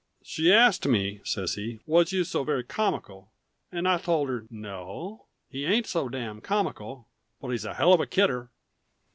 "She ast me," said he, "was you so very comical, and I told her no, he ain't so damned comical, but he's a hell of a kidder!"